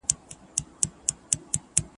موږ دلته ولې راغلو؟